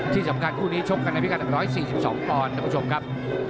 ที่สำคัญคู่นี้ชกกันในพิการ๑๔๒ปอนด์ท่านผู้ชมครับ